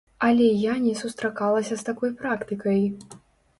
Але я не сустракалася з такой практыкай.